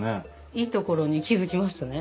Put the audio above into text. いいところに気付きましたね！